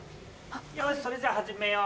よしそれじゃ始めよう。